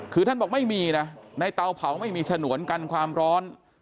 คือท่านบอกไม่มีนะในเตาเผาไม่มีฉนวนกันความร้อน